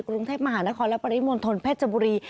กรุงเทพมหานครและปริมณฑลภกร์แพทย์จบุรี